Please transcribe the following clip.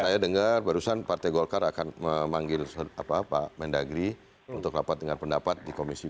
saya dengar barusan partai golkar akan memanggil pak mendagri untuk rapat dengan pendapat di komisi dua